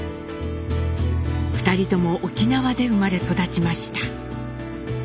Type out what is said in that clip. ２人とも沖縄で生まれ育ちました。